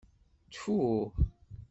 Ttfu!